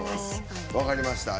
わかりました。